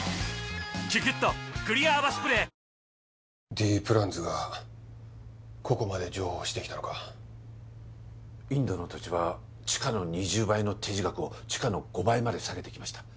Ｄプランズがここまで譲歩してきたのかインドの土地は地価の２０倍の提示額を地価の５倍まで下げてきました